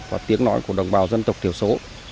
và tiếng nói của đồng bào dân tộc thiểu số